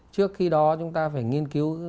trước khi đó chúng ta phải nghiên cứu